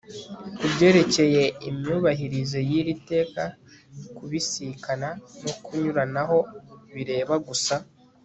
Kubyerekeye imyubahirize y iri teka kubisikana no kunyuranaho bireba gusa